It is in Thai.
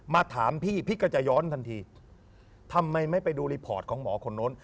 ถามพี่พี่ก็จะย้อนทันทีทำไมไม่ไปดูรีพอร์ตของหมอคนนู้น